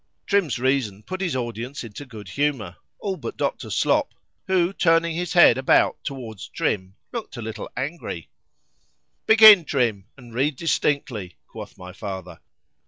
Trim's reason put his audience into good humour,—all but Dr. Slop, who turning his head about towards Trim, looked a little angry. Begin, Trim,—and read distinctly, quoth my father.